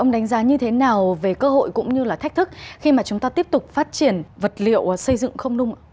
ông đánh giá như thế nào về cơ hội cũng như là thách thức khi mà chúng ta tiếp tục phát triển vật liệu xây dựng không nung ạ